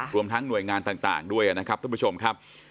รวมทั้งหน่วยงานต่างด้วยนะครับท่านผู้ชมครับ